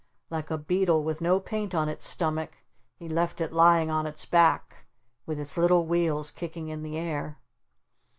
Like a beetle with no paint on its stomach he left it lying on its back with its little wheels kicking in the air.